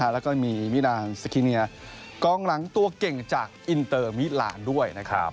แล้วก็มีมิดานสคิเนียกองหลังตัวเก่งจากอินเตอร์มิลานด้วยนะครับ